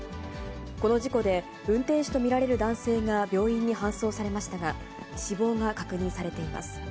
この事故で、運転手と見られる男性が病院に搬送されましたが、死亡が確認されています。